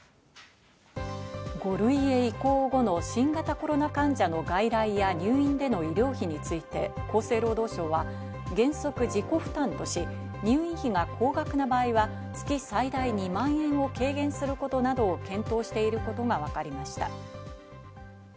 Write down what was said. ５類へ移行後の新型コロナ患者の外来や入院での医療費について、厚生労働省は原則、自己負担とし、入院費が高額な場合は月、最大２万円を軽減することなどを検討していることがわかりました。